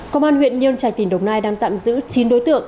công an huyện nhân trạch tỉnh đồng nai đang tạm giữ chín đối tượng